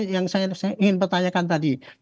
yang saya ingin pertanyakan tadi